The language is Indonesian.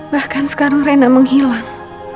bahkan sekarang rena menghilang